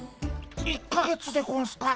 １か月でゴンスか？